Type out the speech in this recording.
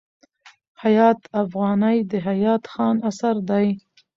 حیات افغاني د حیات خان اثر دﺉ.